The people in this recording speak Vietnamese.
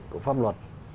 của pháp luật